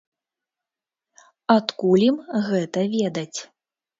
Адкуль ім гэта ведаць?